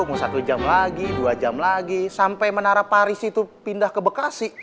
mau satu jam lagi dua jam lagi sampai menara paris itu pindah ke bekasi